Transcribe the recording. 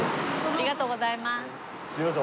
ありがとうございます。